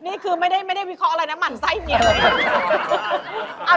นี่คือไม่ได้วิเคราะห์อะไรนะหมั่นไส้เมีย